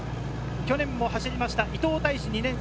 去年も走った伊藤大志・２年生。